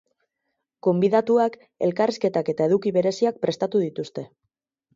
Gonbidatuak, elkarrizketak eta eduki bereziak prestatu dituzte.